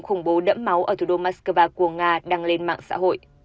khủng bố đẫm máu ở thủ đô moscow của nga đăng lên mạng xã hội